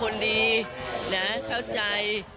และเข้าใจ